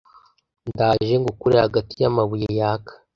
ndaje ngukure hagati y’amabuye yaka